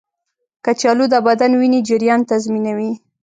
کچالو د بدن وینې جریان تنظیموي.